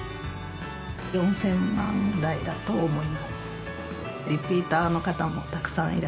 ４０００万円台だと思います。